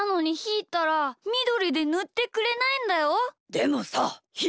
でもさひ